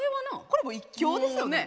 これもう一強ですよね？